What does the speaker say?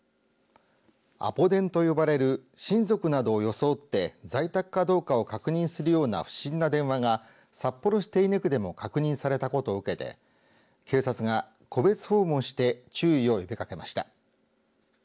アポ電と呼ばれる親族などを装って在宅かどうかを確認するような不審な電話が札幌市手稲区でも確認されたことを受けて警察が戸別訪問して注意を呼びかけました。